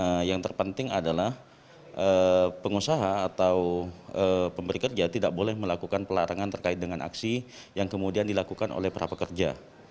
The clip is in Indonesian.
nah yang terpenting adalah pengusaha atau pemberi kerja tidak boleh melakukan pelarangan terkait dengan aksi yang kemudian dilakukan oleh para pekerja